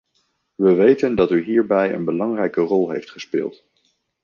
We weten dat u hierbij een belangrijke rol heeft gespeeld.